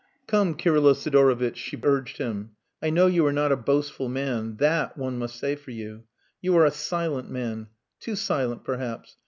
"Come, Kirylo Sidorovitch!" she urged him. "I know you are not a boastful man. That one must say for you. You are a silent man. Too silent, perhaps.